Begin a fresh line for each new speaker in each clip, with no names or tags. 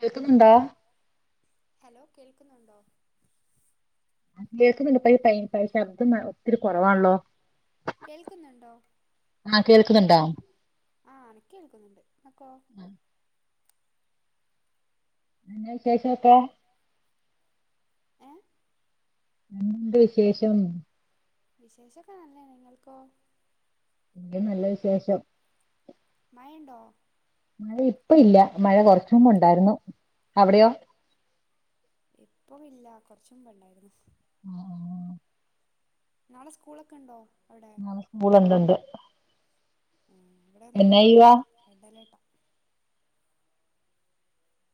കേൾക്കുന്നുണ്ടോ
ഹലോ കേൾക്കുന്നുണ്ടോ
അ കേക്ക്ന്ന്ണ്ണ്ട് ഈ പൈൻ പൈ ശബ്ദം ഒത്തിരി കുറവാണല്ലോ
കേൾക്കുന്നുണ്ടോ
ആഹ് കേൾക്കുന്നുണ്ടോ
ആ എനിക്ക് കേൾക്കുന്നുണ്ട് നിങ്ങക്കോ
ഉം [unintelligible] എന്തോ വിശേഷംക്കെ
ഏ
എന്ത് വിശേഷം
വിശേഷൊക്കെ നല്ലെന്നെ നിങ്ങൾക്കോ
എക്ക് നല്ല വിശേഷം
മഴ ഉണ്ടോ?
മഴ ഇപ്പ ഇല്ല മഴ കൊറച്ച് മുമ്പ് ഉണ്ടായിരുന്നു. അവിടെയോ?
ഇപ്പ ഇല്ല കൊറച്ച് മുമ്പ് ഉണ്ടായിരുന്നു.
ആ ആ,
നാളെ സ്കൂളൊക്കെ ഉണ്ടോ? അവിടെ
നാളെ സ്കൂള് ഉണ്ട് ണ്ട്
ഉ ഇവിടെന്നാളെ ഇല്ല
ചെയ്യുവാ
റെഡ് അലേർട്ടാ.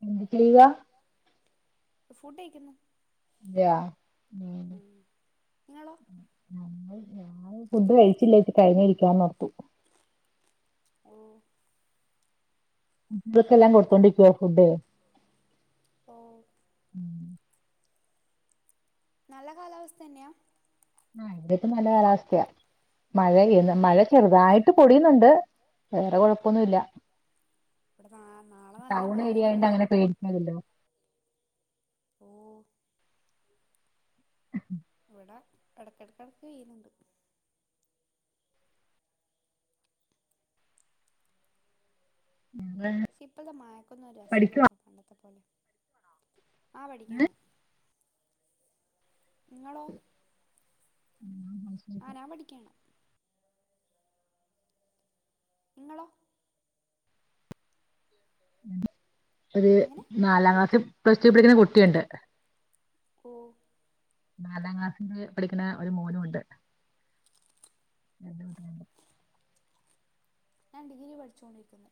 എന്ത് ചെയ്യാ
ഫുഡ് കഴിക്കുന്നു
അതെയോ ഞങ്ങൾ
ഉം നിങ്ങളോ
ഞങ്ങൾ കഴിഫുഡ് കഴിച്ചില്ലേച് കഴിഞ്ഞ ഇരിക്കാന്ന് നടത്തു.
ഓ
വൾക്കെല്ലാം കൊടുത്തോണ്ടിക്കുവാര്
ഓ നല്ല കാലാവസ്ഥന്നെയാ?
ആ ഇവിടിപ്പം നല്ല കാലാവസ്ഥയാ മഴയ്യെന്ന്
ഉം
മഴ ചെറ്തായിട്ട് പൊടിയിന്നുണ്ട് വേറെ കൊഴപ്പൊന്നുല്ല.
ഇവടെ നാ നാളെ നല്ല മഴയാന്നാ പറയ്ന്നെ.
അല്‌ലോ
ഓ
[inaudible]
ഇവടെ എടക്കെടക്ക് പെയ്യുന്നുണ്ട്. ഇപ്പത്തെ മഴക്കൊന്നും ഒരു
പഠിക്കുവാ
രസല്ലപ്പ പണ്ടത്തെപ്പോലെ. പഠിക്കാണോ? ആ പഠിക്കാണ് ഇങ്ങളോ?
[inaudible]
ആ നാംപഠിക്കാണ് ഇങ്ങളോ
ഒര്
എങ്ങനെ
നാലാം ക്ലാസ്സി പ്ലസ് ടു പഠിക്കുന്ന കുട്ടിയുണ്ട്.
ഓ
നാലാം ക്ലാസ്സില് പഠിക്ക്ണ ഒരു മോനു ഉണ്ട്.
ഞാൻ ഡിഗ്രി പഠിച്ചോണ്ടിരിക്കുന്നു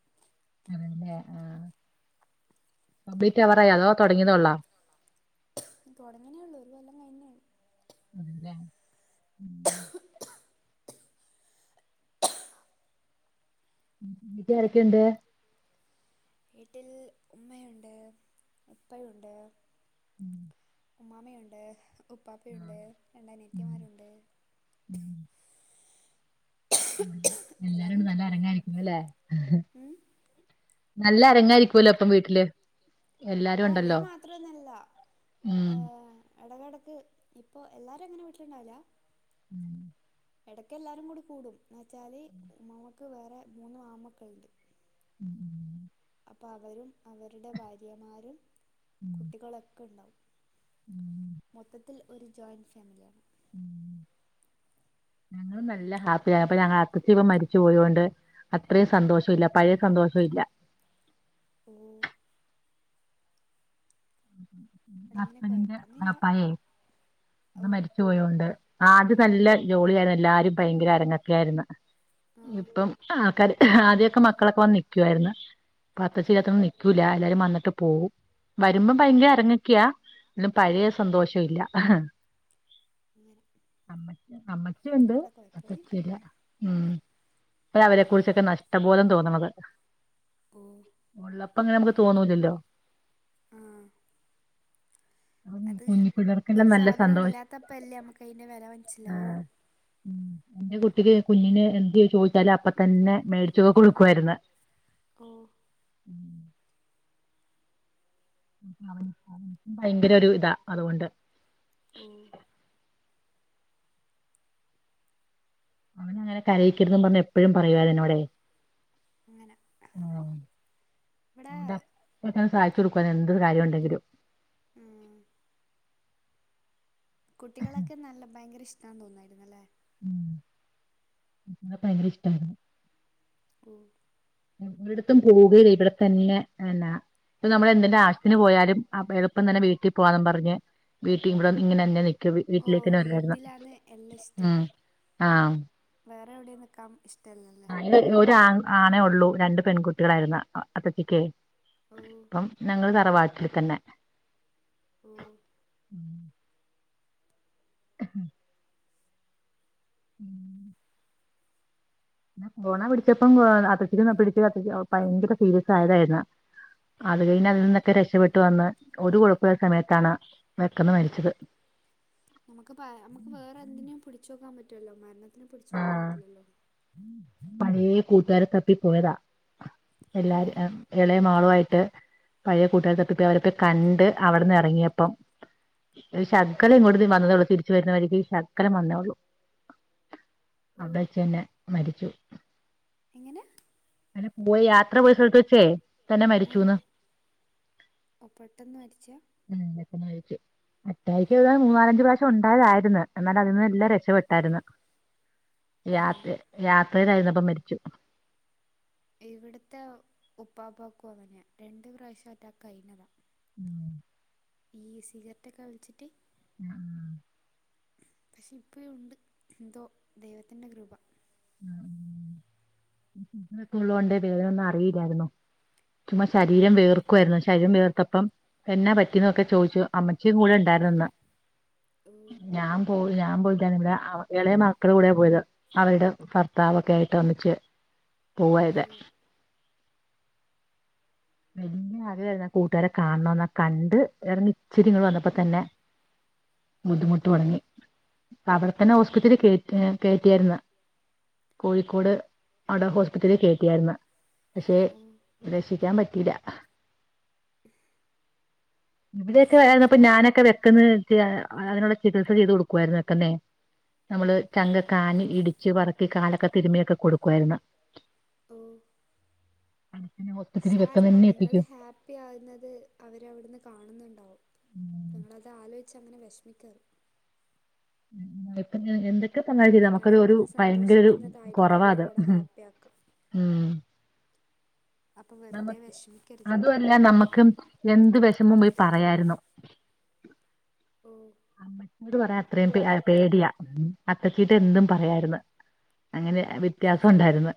അതല്ലേ ആ കമ്പ്ളീറ്റാവാറായാ അതോ തൊടങ്ങിയതേ ഒള്ളാ?
തൊടങ്ങിനേ ഉള്ളൂ ഒരു കൊല്ലം കയിഞ്ഞ്
അത്ൻ്റെ ഊ വീട്ടിലാരക്കെണ്ട്
വീട്ടിൽ ഉമ്മയൊണ്ട് ഉപ്പയുണ്ട്
ഉം
ഉമ്മാമെയൊണ്ട് ഉപ്പാപ്പെയൊണ്ട് രണ്ട് അനിയത്തിമാരുണ്ട്
ഉം എല്ലാരുണ്ട് നല്ല അനങ്ങായിരിക്കുംല്ലേ ഹ്
ഉമ്
നല്ല അരങ്ങായിരിക്കും
ഞാരിക്കുവല്ലോപ്പ വീട്ടില് ആ
ഉണ്ടല്ലോ
ഇവര് മാത്രോന്നല്ല
ഉം
ഏഹ് എടകെടക്ക് ഇപ്പോഎല്ലാരേങ്ങനെ വീട്ടിലുണ്ടാവില്ല.
ഉ
എടക്കെല്ലാരും കൂടി കൂടും എന്ന്ച്ചാല് ഉമ്മാമാക്ക് വേറെ മൂന്നു ആൺമക്കളുണ്ട്.
ഉം ഉം
അപ്പം അവരും അവര്ടെ ഭാര്യമാരും കുട്ടികളൊക്കെണ്ടാവും മൊത്തത്തിൽ ഒരു ജോയിന്റ് ഫാമിലിയാണ്
ഞങ്ങളും നല്ല ഹാപ്പിയാണ് ഇപ്പ ഞങ്ങടെ [unintelligible] പ്പ മരിച്ചു പോയോണ്ട് അത്രേം സന്തോഷം ഇല്ല പഴയ സന്തോഷം ഇല്ല
ഓ ഇവിടെ അങ്ങനെ
ഹസ്ബന്റിന്റെ
കുഴപ്പമൊന്നുമില്ല
വാപ്പായെ
ഓ
അത് മരിച്ചു പോയോണ്ട് ആദ്യ നല്ല ജോളിയാര്ന്ന് എല്ലാരും ഭയങ്കര അരങ്ങക്കെയാര്ന്നു
ആ
ഇപ്പം ആക്കാര് ആദ്യക്കെ മക്കളക്കെ വന്ന് നിക്കുവാര്ന്ന് പ [unintelligible]
ഓ
ച്ചീല്ലാത്തോണ്ട് നി ക്കൂല എല്ലാരും വന്നിട്ട് പോവും വരുമ്പം ഭയങ്കര അരങ്ങക്കെയാ [unintelligible] പഴയ സന്തോഷം ഇല്ല അഹ്
ങ്ങനെ
അമ്മച്ചി അമ്മച്ചിയൊണ്ട് അത്തച്ചി ഇല്ല ഉം പ്പഴാ അവരെ കുറിച്ചൊക്കെ നഷ്ട്ട ബോധം തോന്ന്ണത്
ഓ
ഉള്ളപ്പങ്ങനെമുക്ക് തോന്നൂലല്ലോ
ആഹ് അത്
കുഞ്ഞി പിള്ളേർക്കെല്ലാം
ഒര്
നല്ല
സാധനം
സന്തോഷം
ഇല്ലാത്തപ്പല്ലേ നമ്മക്ക് അയ്ന്റെ വെല മനിസ്സിലാവൂ
ന്റെ കുട്ടിക്ക് കുഞ്ഞിന് എന്ത് ചോദിച്ചാലും അപ്പ തന്നെ മേടിച്ചൊക്കെ കൊടുക്കുവായിര്ന്ന
ഓഹ്
ഉം അവൻക്കും ഭയങ്കര ഒര് ഇതാ അതുകൊണ്ട്
ഓഹ്
ഓനങ്ങനെ കരയിക്കെര്തും പർഞ്ഞ് എപ്പഴും പറയു എന്നോടെ
അങ്ങന [unintelligible]
അതോണ്ട് അപ്പകങ് സാധിച്ച് കൊട്ക്കും എന്ത് കാര്യോണ്ടെങ്കിലും
ഉം, കുട്ടികളൊക്കെ നല്ല ഭയങ്കര ഇഷ്ട്ടാന്ന് തോന്നായിര്ന്നല്ലേ
ഉം ഭയങ്കര ഇഷ്ട്ടാര്ന്നു
ഓഹ്
[unintelligible] ട്ത്തും പോകയില്ല ഇവടെത്തന്നെ എനാ ഇപ്പ നമ്മളെ ന്തേലും ആശത്തിന് പോയാലും അപ്പ എളുപ്പം തന്നെ വീട്ടിൽ പോവാന്ന് പർഞ്ഞ് വീട്ടീ ഇവടന്ന് ഇങ്ങനന്നെ നി ക്കും വീ
ഓ
വീട്ടിലേക്കെന്നെ വരുവാര്ന്നു
വീട്ടിലാണ് എല്ലാം
ഉം
ഇഷ്ടം
ആഹ്
വേറെ എവടേം നിക്കാം ഇഷ്ട്ടല്ലല്ലേ
[unintelligible] ഒരാണെ ആണേ ഒള്ളൂ രണ്ട് പെൺകുട്ടികളായിര്ന്നു അപ്പച്ചിക്കേയ്
ഓഹ്
ആഹ് ഞങ്ങള് തറവാട്ടിൽ തന്നെ
ഓഹ്
ഉം ന്നാ കൊറോണ പിടിച്ചപ്പം കൊ അത്തച്ചി പിടിച്ച അപ്പച്ചി ഭയങ്കര സീരിയസ് ആയതായിർന്നു അത് കഴിഞ്ഞ് അതിൽ നിന്നൊക്കെ രക്ഷപ്പെട്ട് വന്ന് ഒര് കൊഴപ്പല്ലാത്ത സമയത്താണ് പെട്ടെന്ന് മരിച്ചത്
നമക്ക് പ നമക്ക് വേറെ എന്തിനീം പിടിച്ച് വെക്കാം പറ്റോല്ലോ മരണത്തിനെ പിടിച്ച് വെക്കാൻ പറ്റില്ലല്ലോ
പഴേ കൂട്ടാരെ തപ്പി പോയതാ എല്ലാര്
ഓ
എം എൽ എളേ മാളു ആയിട്ട് പഴേ കൂട്ടാരെ തപ്പി പോയി അവരെപോയി കണ്ട് അവട്ന്ന് എറങ്ങ്യേപ്പം ഒരു ശകല ഇങ്ങോട്ട് വന്നതേള്ളൂ തിരിച്ച് വര്ന്ന വഴിക്ക് ഈ ശകലം വന്നേ ഒള്ളൂ അവടേച്ചെന്നെ മരിച്ചു
എങ്ങനെ
അങ്ങനെ പോയി യാത്ര പോയ സ്ഥലത്ത് വെച്ചേ തന്നെ മരിച്ചൂന്ന്
ഓഹ് പെട്ടെന്ന് മരിച്ചേ
ഉം പെട്ടന്ന് മരിച്ചു അറ്റായിക്ക് ഏത മൂന്നാലഞ്ച് പ്രാവശ്യ ഉണ്ടയതായിരുന്ന് എന്നാലതീന്നെല്ലാം രക്ഷപ്പെട്ടാര്ന്ന്
ഏ
യാത്രി യാത്രേലായിര്ന്നപ്പം മരിച്ചു
ഇവിട്ത്തെ ഉപ്പാപ്പാക്കും അങ്ങന്യാ രണ്ട് പ്രാവശ്യം അ റ്റാക്ക് കഴിഞ്ഞതാ
ഉം
ഈ സിഗരറ്റെക്കെ വലിച്ചിറ്റ്
ആഹ് ആഹ്
പക്ഷെ ഇപ്പഴൂണ്ട് എന്തോ ദൈവത്തിന്റെ കൃപ
ഉം ഉം ഷുഗറൊക്കെ ഉള്ളോണ്ടെയ് വേദനെന്നും അറിയില്ലായിര്ന്നു ചുമ്മ ശരീരം
അങ്ങനെ
വിയർ ക്കുവാര്ന്നു ശരീരം വിയർത്തപ്പം എന്നാ പറ്റി എന്നൊക്കെ ചോദിച്ചു അമ്മച്ചീ കൂടെ ഇണ്ടാര്ന്നുന്ന്
ഓ
ഞാം പോ ഞാം പോയിട്ടൊന്നുല്ല ഇവടെ എളേ മക്കളൂടെ പോയത് അവൾടെ ഭർത്താവൊക്കായ്ട്ട് ഒന്നിച്ച് പോവാ
ഓ
ചെയ്തെ വല്ല്യേ ആഗ്രഹായിര്ന്ന് കൂട്ട്കാരെ കാണണോന്ന് ആ കണ്ട് എറങ്ങി ഇച്ചിരിങ്ങട്ട് വന്നപ്പോ തന്നെ ബുദ്ധിമുട്ട് വന്ന് അവടെ തന്നെ ഹോസ്പിറ്റലിൽ കേറ്റ കേറ്റ്യാര്ന്ന് കോഴിക്കോട് അവടെ ഹോസ്പിറ്റലിൽ കേറ്റ്യാര്ന്ന് പക്ഷെ
ഓ
രക്ഷിക്കാൻ പറ്റീല ഇവിടെക്കെ ആയിരുന്നപ്പം
സാരല്ല
ഞാനൊക്കെ വെക്കന്ന് അതിനുള്ള ചികിത്സ ചെയ്ത് കൊടുക്കുവായിരുന്നു വെക്കന്നെ നമ്മള് ചങ്കക്കാനി ഇടിച്ച് വറക്കി കാലൊക്കെ തിരുമിയൊക്കെ കൊടുക്കുവായിരുന്നു അങ്ങൻതന്നെ ഹോസ്
സാരല്യ നിങ്ങള് ഹാപ്പി യാകുന്നത് അവരവിടുന്ന് കാണുന്നുണ്ടാവും നിങ്ങളത് ആലോചിച്ച് അങ്ങനെ വിഷമിക്കാറ്
ഉം വെക്കെന്ന് ഞാൻ എന്തൊക്ക ഒക്കെ തന്നാലും ചെയ്ത നമുക്ക്
നിങ്ങളെ
അത് ഒരു
ഇവിടുന്ന്
ഭയങ്കര ഒരു
സന്തോഷിക്കുന്നതായിരിക്കും
കൊറവാത്
അവരവിടെ
ഉം
ഹാപ്പി ആക്കാം
ഉം
അപ്പോൾ വെറുതെ
നമക്ക്
വിഷമിക്കരുത്
അതുവല്ല നമുക്ക് എന്ത് വെഷമവും പോയി പറയായിരുന്നു
ഓ
അമ്മച്ചിയോട് പറയാൻ അത്രയും പെ പേടിയാ അത്തച്ചീട്ട് എന്തും പറയായിരുന്നു അങ്ങനെ വ്യത്യാസം
അങ്ങനെ
ഉണ്ടായിരുന്ന്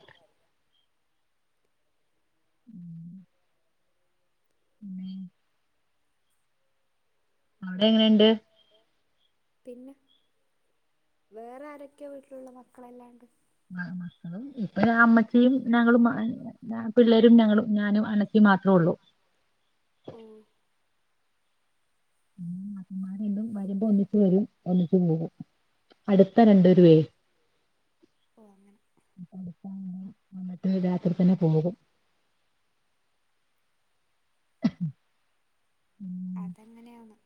ഉം പിന്നേയ് അവിടെ എങ്ങനെണ്ട്
പിന്നെ വേറെ ആരൊക്കെ വീട്ടിലുള്ള മക്കളെല്ലാണ്ട്
മ മക്കളും ഇപ്പൊ അമ്മച്ചിയും ഞങ്ങളും മ [unintelligible] പിള്ളേരും ഞങ്ങളും ഞാനും അണ്ണച്ചി മാത്ര ഉള്ളൂ
ഓഹ്
പിന്നെ നാത്തൂന്മാര് എന്നും വരുമ്പോ ഒന്നിച്ച് വരും ഒന്നിച്ചു പോകും അടുത്ത രണ്ടു പേരുവെ
ഓഹ് അങ്ങനെ
അപ്പൊ അടുത്തായൊണ്ട് വന്നിട്ട് രാത്രി തന്നെ പോകും ഉം
അതെങ്ങനെയാന്ന്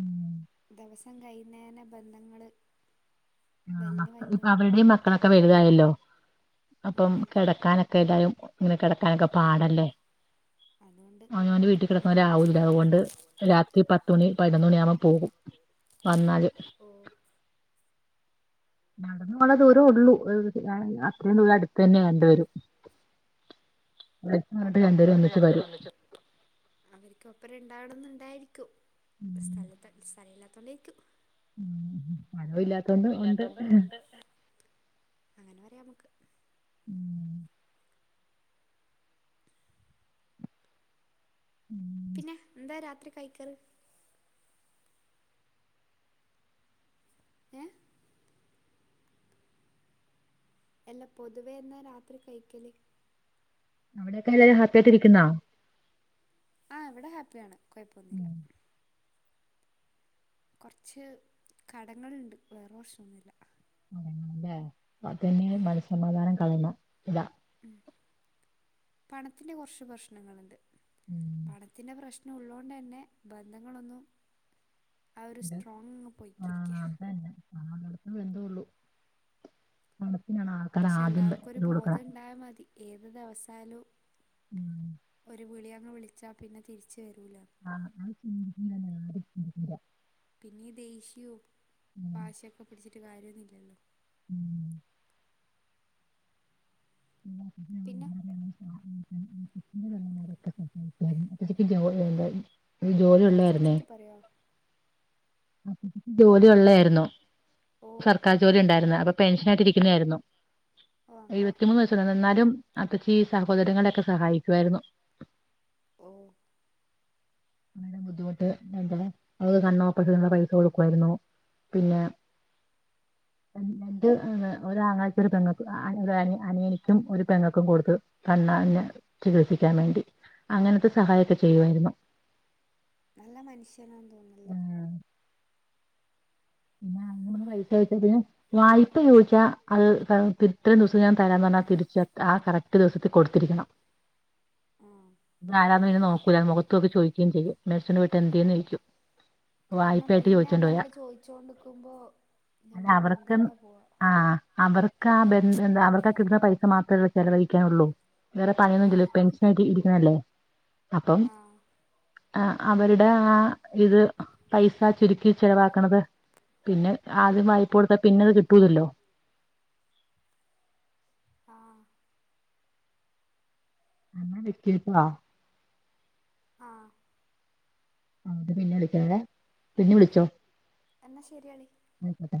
ഉം
ദിവസം കൈയ്ന്നെനാ ബന്ധങ്ങള്
ആ ഇപ്പൊ അവരുടെയും മക്കളൊക്കെ വലുതായല്ലോ അപ്പം
ഉം,
കട കെടാക്കാക്കെല്ലതായും ഇങ്ങനെ കിടക്കാനൊക്കൊ പാടല്ലേ
അതുകൊണ്ട്
ആ അവനാവാന്റെ വീട്ടിൽ
അങ്ങനെ പോവും
കിടക്കുന്നവരാവൂല്ല അതുകൊണ്ട് രാത്രി പത്തുമണി പതിനൊന്ന് മണിയ ആവുമ്പോ പോകും വന്നാല്
ഓ
നടന്ന പോണ് ദൂരേ ഉള്ളൂ അത്രയും ദൂരം അടുത്ത് തന്നെ രണ്ട് പേരും രണ്ടുപേരും
വയസട്ട്
ഒന്നിച്ച്
രണ്ട പേര്
വരും
ഒന്നിച്ചു അവർക്ക് ഒപ്പരം ഇണ്ടാവണംന്നുണ്ടായിരിക്കും സ്ഥലത്ത് സ്ഥല ഇല്ലാത്തോണ്ടേരിക്കും
മഴവില്ലാത്തോണ്ട് ഉണ്ട്
പഴവല്ലാത്തൊന്നും ഉണ്ട് അങ്ങനെ പറയാ നമുക്ക്
ഉം ഉം
പിന്നെ എന്താ രാത്രി കഴിക്കാറ് ഏഹ് അല്ല പൊതുവേ എന്നാ രാത്രി കഴിക്കല്
അവിടെയക്കെ എല്ലരും ഹാപ്പി ആയിട്ടിരിക്കുന്നാ
ആ ഇവിടെ ഹാപ്പിയാണ് കുഴപ്പം ഓന്നുല്ല കുറച്ച് കടങ്ങളുണ്ട് വേറെ പ്രശ്നന്നുമില്ല
ഏഹ് അത്
ഉം
സമാധാനം കളഞ്ഞ ഇതാ
ഉ പണത്തിന്റെ കുറച്ച് പ്രശ്നങ്ങുണ്ട് പണത്തിന്റെ പ്രശ്ന ളോണ്ട് തന്നെ ബന്ധങ്ങളൊന്നും ആ ഒരു
ഇത്
സ്ട്രോങ്ങ്ങ് പൊയിക്കിരിക്കുക
ആ നടത്ത ബന്ധള്ളു പണത്തിനാണ് ആൾക്കാര
പക്ഷെ
ആദ്യണ്ട്
എല്ലാവർക്കും ഒരു
ഇത് കൊടുക്ക
ബോധം ഉണ്ടായാൽ മതി ഏത് ദിവസായാലും ഒരു വിളി അങ്ങ് വിളിച്ചാ പിന്നെ തിരിച്ച വരൂല
ആഹ് അത് ചിന്തിക്കുന്ന മാതിരി ആരും ചിന്തിക്കില്ല
പിന്നെ ദേഷ്യോ വാശിയൊക്കെ പിടിച്ചിട്ട് കാര്യമൊന്നും ഇല്ലല്ലോ.
ഉം ഉം
പിന്നെ
അച്ചക്ക് ജോന്ത [inaudible] ഇത് ജോലി ഉള്ളായിരുന്നേ
പറയാ
ആ ജോലി ഉള്ളതായിരുന്നു.
ഓ
സർക്കാർ ജോലി ഉണ്ടായിരുന്നു. അപ്പൊ പെൻഷനായിട്ട് ഇരിക്കുന്നതായിരുന്നു
ഓ അങ്ങനെ
എഴുപത്തിമൂന്ന് വയസ് എന്നാലും അപ്പച്ചിൻ്റെ സഹോദരങ്ങളൊക്കെ സഹായിക്കുമായിരുന്നു.
ഓഹ്
അതുകൊണ്ട് ബുദ്ധിമുട്ട് എന്ത് ഔ കണ്ണോ [unintelligible] മരുന്നിനുള്ള പൈസ കൊടുക്കുമായിരുന്നു പിന്നെ
[inaudible]
രണ്ട്, ഒരാങ്ങളക്ക് ഒരു പെങ്ങക്ക്, അനിയനിക്കും, ഒരു പെങ്ങക്കും കൊടുത്ത് കണ്ണാനെ ചികിത്സിക്കാൻ വേണ്ടി. അങ്ങനത്തെ സഹായം മൊക്കെ ചെയ്യുമായിരുന്നു
നല്ല മനുഷ്യനാണെന്ന് തോന്നുന്നല്ലോ.
പിന്ന നമ്മള് പൈസ ചോദിച്ച് കഴിഞ്ഞാൽ, പിന്നെ വായ്പ ചോദിച്ചാ അത് തന്നാ തിരി ഇത്രയും ദിവസം ഞാൻ തരാന്ന് പറഞ്ഞാൽ തിരിച്ച് ആ കറക്റ്റ് ദിവസത്തിൽ കൊടുത്തിരിക്കണം.
ആഹ്
ആരാന്നൊന്നും പിന്നെ നോക്കൂല. മുഖത്ത് നോക്കി ചോദിക്കുകയും ചെയ്യും. മേടിച്ചോണ്ട് പോയിട്ട് എന്തിയേന്ന് ചോദിക്കും.
കാരണം
വായ്പയായിട്ട്
പിന്നെ അത്
ചോദിച്ചോണ്ട് പോയാ
നമ്മള് ചോയിച്ചോണ്ടിക്കുമ്പോ
അല്ല, അവർക്ക്, ആഹ് അവർക്ക് ആ ബന്ധം. അവർക്കാ കിട്ടുന്ന പൈസ മാത്രമല്ലേ ചെലവഴിക്കാനുള്ളൂ. വേറെ
ആഹ്
പണിയൊന്നുമില്ലല്ലേ പെൻഷൻ ആയിട്ട് ഇരിക്കണല്ലേ അപ്പം
ആഹ്.
ആ അവരുടെ ആ ഇത് പൈസ ചുരുക്കി ചെലവാക്കണത്. പിന്നെ ആദ്യ വായിപ്പ കൊടുത്താ പിന്നെയത് കിട്ടൂലല്ലോ
ആഹ്
അന്നെ [unintelligible]
ആഹ്
ആ ഇത് പിന്നെ വിളിക്കാവെ. പിന്നെ വിളിച്ചോ
എന്നാ ശരിയാളി
ആയിക്കോട്ടെ